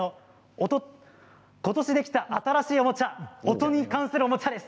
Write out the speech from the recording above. ことしできた新しいおもちゃ音に関するおもちゃです。